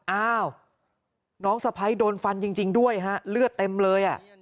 อ้าวน้องสะพ้ายโดนฟันจริงด้วยฮะเลือดเต็มเลย